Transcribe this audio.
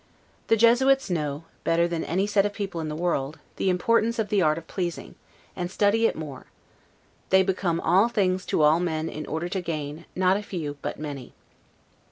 The Jesuits know, better than any set of people in the world, the importance of the art of pleasing, and study it more; they become all things to all men in order to gain, not a few, but many.